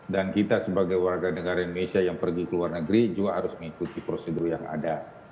dan kita sebagai warga negara indonesia yang pergi ke luar negeri juga harus mengikuti prosedur yang ada